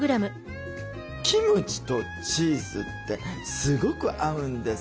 キムチとチーズってすごく合うんですよ。